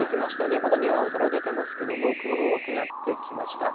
まだ青空出てきましたけれども、雲が多くなってきました。